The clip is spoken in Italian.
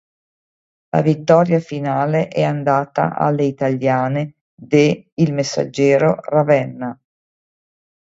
La vittoria finale è andata alle italiane de Il Messaggero Ravenna.